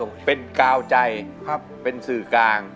ให้กบเป็นก้าวใจเป็นสื่อกลาง